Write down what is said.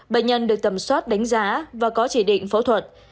bệnh nhân được tầm soát đánh giá và có chỉ định phẫu thuật